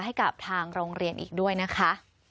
ให้กับทางโรงเรียนอีกด้วยนะคะ